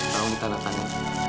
tahun tanah tanah